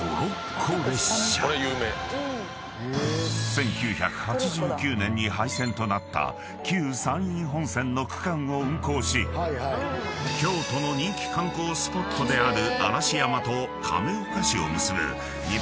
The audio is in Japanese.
［１９８９年に廃線となった旧山陰本線の区間を運行し京都の人気観光スポットである］